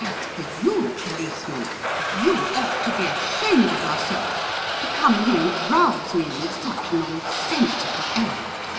As for you, Policeman, you ought to be ashamed of yourself to come here and rouse me on such a nonsensical errand."